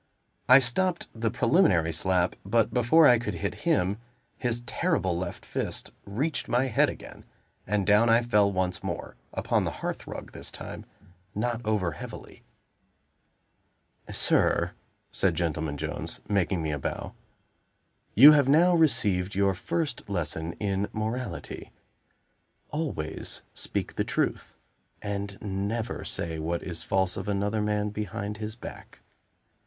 I stopped the preliminary slap, but before I could hit him, his terrible left fist reached my head again; and down I fell once more upon the hearth rug this time not over heavily. "Sir," said Gentleman Jones, making me a bow, "you have now received your first lesson in morality. Always speak the truth; and never say what is false of another man behind his back.